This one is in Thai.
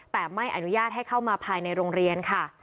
แต่ไม่อนุญาตให้เข้ามาภายในโรงเรียนค่ะ